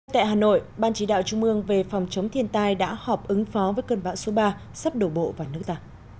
tại hà nội ban chỉ đạo trung ương về phòng chống thiên tai đã họp ứng phó với cơn bão số ba sắp đổ bộ vào nước ta